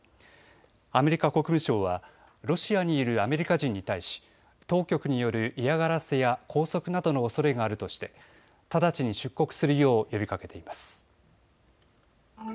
アメリカ国務省はロシアにいるアメリカ人に対し当局による嫌がらせや拘束などのおそれがあるとして、直ちに出国するよう呼びかけています。